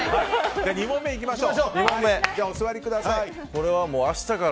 ２問目いきましょうか。